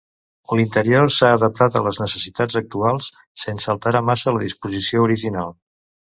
L'interior s'ha adaptat a les necessitats actuals, sense alterar massa la disposició original.